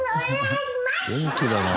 元気だなあ。